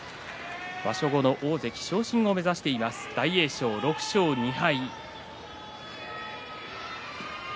場所後の大関昇進を目指しています大栄翔、６勝２敗。